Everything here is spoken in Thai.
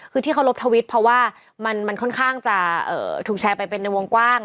คือที่เคารพทวิตเพราะว่ามันค่อนข้างจะถูกแชร์ไปเป็นในวงกว้าง